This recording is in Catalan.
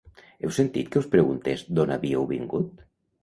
Heu sentit que us preguntés d'on havíeu vingut?